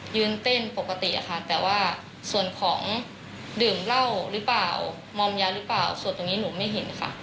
หรือเปล่ามอมยาหรือเปล่าส่วนตรงนี้หนูไม่เห็นค่ะ